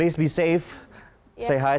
itu sangat baik